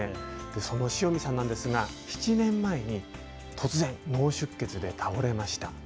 その塩見さんなんですが、７年前に突然、脳出血で倒れました。